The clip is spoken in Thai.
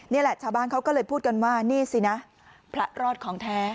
นี่แหละชาวบ้านเขาก็เลยพูดกันว่านี่สินะพระรอดของแท้